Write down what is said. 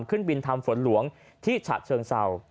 ขึ้นบินทำฝนหลวงที่ฉะเชิงเศร้า